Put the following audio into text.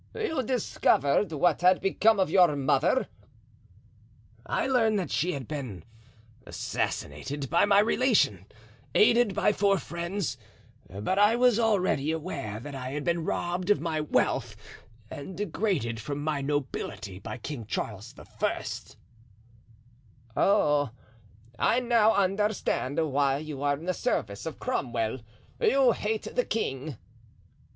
"You discovered what had become of your mother?" "I learned that she had been assassinated by my relation, aided by four friends, but I was already aware that I had been robbed of my wealth and degraded from my nobility by King Charles I." "Oh! I now understand why you are in the service of Cromwell; you hate the king."